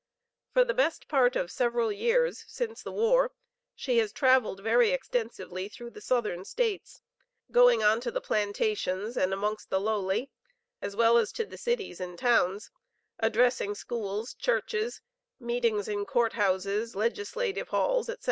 For the best part of several years, since the war, she has traveled very extensively through the Southern States, going on the plantations and amongst the lowly, as well as to the cities and towns, addressing schools, Churches, meetings in Court Houses, Legislative Halls, &c.